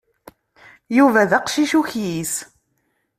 Yuba d aqcic ukyis.